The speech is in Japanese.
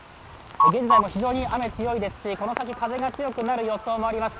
現在も非常に雨が強いですし、風が強くなる予想もあります。